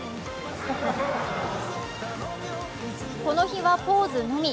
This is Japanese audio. この日はポーズのみ。